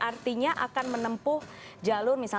dan artinya akan menempuh jalur misalnya